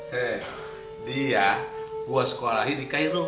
hei dia gua sekolahi di kair rumput